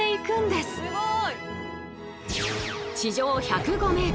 すごい。